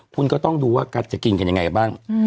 คุณก็ต้องดูว่ากัดจะกินกันยังไงบ้าง